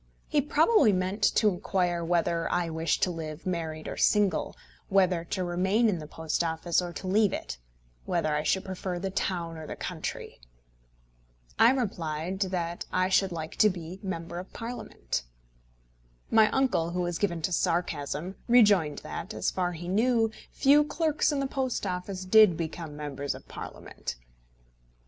He probably meant to inquire whether I wished to live married or single, whether to remain in the Post Office or to leave it, whether I should prefer the town or the country. I replied that I should like to be a Member of Parliament. My uncle, who was given to sarcasm, rejoined that, as far as he knew, few clerks in the Post Office did become Members of Parliament.